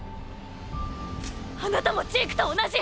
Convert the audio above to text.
あなたもジークと同じ！！